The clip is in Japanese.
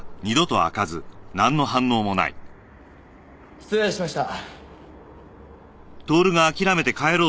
失礼しました。